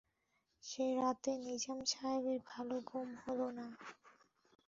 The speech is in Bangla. সে-রাতে নিজাম সাহেবের ভালো ঘুম হল না।